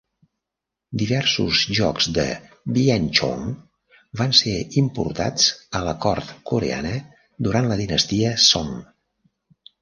Diversos jocs de "bianzhong" van ser importats a la cort coreana durant la dinastia Song.